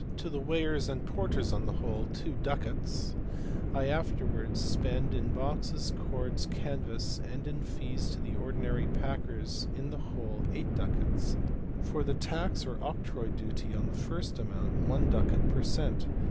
; to the weighers and porters on the whole, 2 ducats ; I afterwards spend in boxes, cords, canvas, and in fees to the ordinary packers in the whole, 8 ducats ; for the tax or octroi duty on the first amount, 1 ducat per cent.